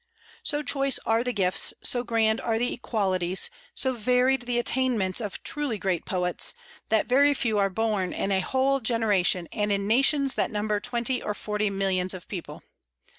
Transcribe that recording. So choice are the gifts, so grand are the qualities, so varied the attainments of truly great poets, that very few are born in a whole generation and in nations that number twenty or forty millions of people.